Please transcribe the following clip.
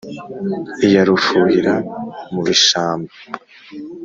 Iya rufuhira mu bishamba